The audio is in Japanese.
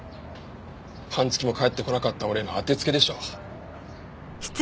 半月も帰ってこなかった俺への当てつけでしょう。